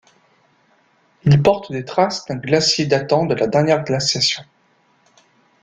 Il porte les traces d’un glacier datant de la dernière glaciation.